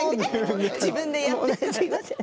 自分でやって。